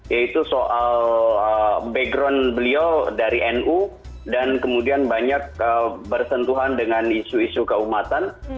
yaitu soal background beliau dari nu dan kemudian banyak bersentuhan dengan isu isu keumatan